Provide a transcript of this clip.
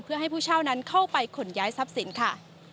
เพื่อให้ผู้เช่านั้นเข้าไปขนย้ายทรัพย์สินค่ะ